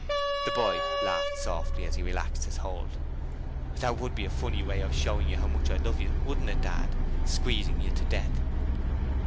The boy laughed softly as he relaxed his hold. 'That WOULD be a funny way of showing you how much I love you, wouldn't it, Dad? Squeezing you to death!'